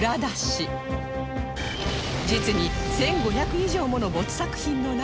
実に１５００以上ものボツ作品の中でも